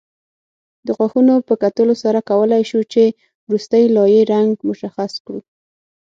د غاښونو په کتلو سره کولای شو چې وروستۍ لایې رنګ مشخص کړو